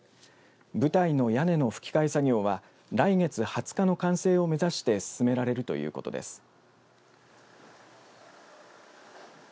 舞台の屋根のふき替え作業は来月２０日の完成を目指して進められるということです。